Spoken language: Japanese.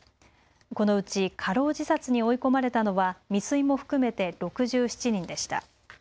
このうち過労自殺に追い込まれたのは未遂も含めて６７人でした。